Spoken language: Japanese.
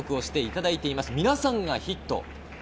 皆さんがヒット。